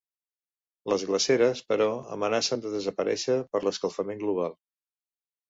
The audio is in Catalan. Les glaceres, però, amenacen de desaparèixer per l'escalfament global.